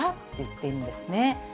って言ってるんですね。